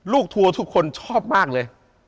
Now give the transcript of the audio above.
ทัวร์ทุกคนชอบมากเลย